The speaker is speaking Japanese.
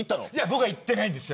僕は行っていないんです。